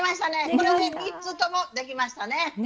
これで３つともできましたね。